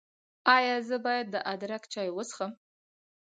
ایا زه باید د ادرک چای وڅښم؟